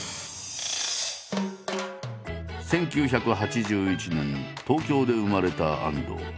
１９８１年東京で生まれた安藤。